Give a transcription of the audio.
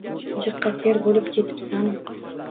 Jiqqa ter bo‘lib ketibsan-u